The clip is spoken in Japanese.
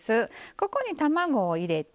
ここに卵を入れて。